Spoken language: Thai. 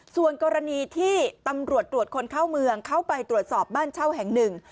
ส่วนกรณีที่ตำรวจตรวจคนเข้าเมืองเข้าไปตรวจสอบบ้านเช่าแห่งหนึ่ง